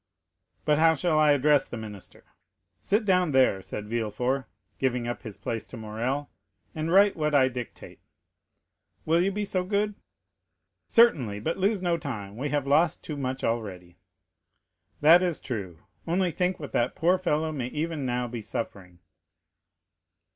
"But how shall I address the minister?" "Sit down there," said Villefort, giving up his place to Morrel, "and write what I dictate." "Will you be so good?" "Certainly. But lose no time; we have lost too much already." "That is true. Only think what the poor fellow may even now be suffering."